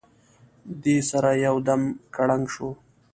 دې سره یو دم کړنګ شو.